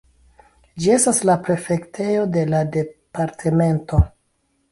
Ĝi estas la prefektejo de la departemento.